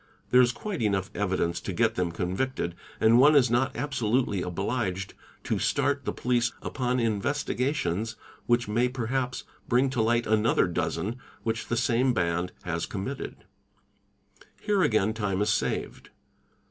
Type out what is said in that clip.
There is quite enough evidence to get them convicted and one is not absolutely obliged to start the police upon investigations which may perhaps bring to light another dozen which the same band has committed; here again time is saved.